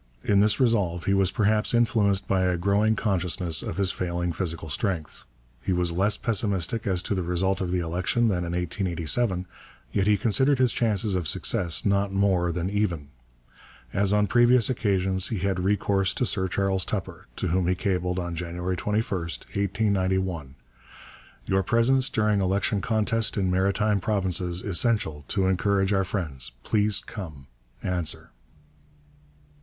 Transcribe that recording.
In this resolve he was perhaps influenced by a growing consciousness of his failing physical strength. He was less pessimistic as to the result of the election than in 1887, yet he considered his chances of success not more than even. As on previous occasions, he had recourse to Sir Charles Tupper, to whom he cabled on January 21, 1891: 'Your presence during election contest in Maritime Provinces essential to encourage our friends. Please come. Answer.'